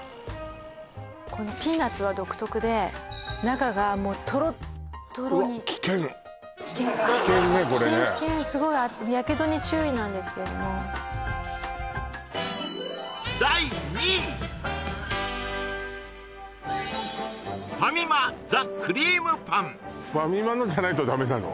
このピーナッツは独特で中がもうトロットロにうわっ危険危険ねこれね危険危険すごいやけどに注意なんですけれどもファミマのじゃないとダメなの？